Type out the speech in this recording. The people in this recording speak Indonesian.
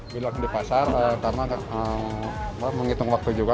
beli langsung di pasar karena pak menghitung waktu juga